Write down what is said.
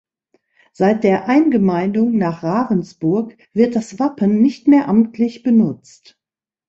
Seit der Eingemeindung nach Ravensburg wird das Wappen nicht mehr amtlich benutzt.